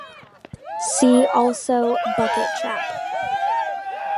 See also bucket trap.